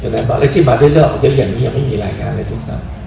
มะเร็กที่มาด้วยเลือดออกเยอะอย่างนี้ยังไม่มีรายการเลยทุกสัตว์